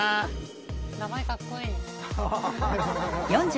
名前かっこいい。